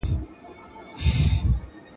مسایل د انسان د اړتیاوو په کچه ارزښت پیدا کوي.